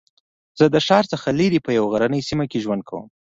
زه د ښار څخه لرې په یوه غرنۍ سېمه کې ژوند کوم